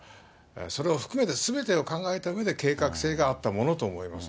それを含めてすべてを考えたうえで、計画性があったものと思います。